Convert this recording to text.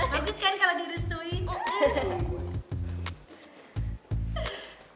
bagus kan kalau direstuin